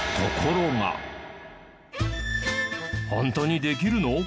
ホントにできるの？